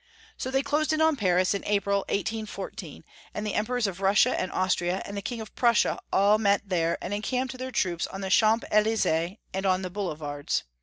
So they closed in on Paris, in April, 1814, and the Emperors of Russia and Austria and the King of Prussia all met there, and encamped their troops in the Champs Elysees and on the Boulevards.